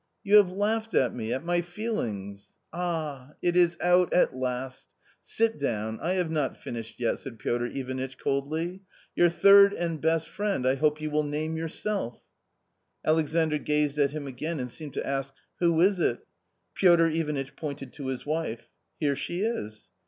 " You have laughed at me, at my feelings," " Ah, it is out at last !" Sit down; I have not finished yet !" said Piotr Ivanitch coldly. " YQu r third and best ( friend I hope you will name yourself." """" V ""Alexandr gazed at him again and seemed to ask " Who \is it ?" Piotr Ivanitch pointed to his wife. " Here she is."'